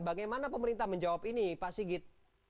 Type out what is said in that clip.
bagaimana pemerintah menjawab ini pak sigit